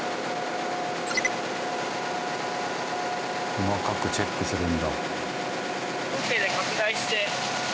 細かくチェックするんだ。